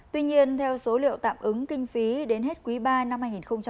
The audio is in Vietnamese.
tuy nhiên theo số liệu tạm ứng kinh phí đến hết quý ba năm hai nghìn một mươi bảy